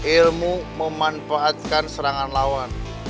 ilmu memanfaatkan serangan lawan